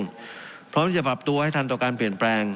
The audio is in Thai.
เพราะมันคือวัฒนธรรมที่จะปรับตัวให้ทันต่อการเปลี่ยนแปลง